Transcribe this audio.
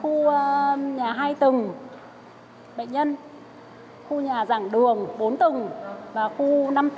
khu nhà giảng dịch khu nhà giảng dịch khu nhà giảng dịch khu nhà giảng dịch khu nhà giảng dịch khu nhà giảng dịch khu nhà giảng dịch khu nhà giảng dịch